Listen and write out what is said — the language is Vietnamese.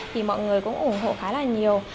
thì mọi người cũng ủng hộ khá là nhiều